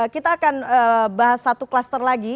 kita akan bahas satu klaster lagi